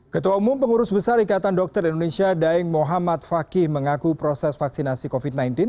ketua umum pengurus besar ikatan dokter indonesia daeng muhammad fakih mengaku proses vaksinasi covid sembilan belas